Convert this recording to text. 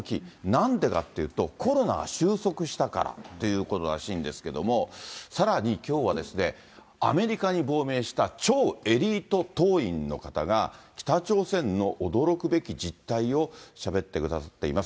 なんでかっていうと、コロナが収束したからっていうことらしいんですけれども、さらにきょうは、アメリカに亡命した超エリート党員の方が、北朝鮮の驚くべき実態をしゃべってくださっています。